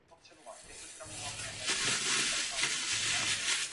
Věnoval se pak tvorbě náročných výstavních projektů založených na audiovizuální technice.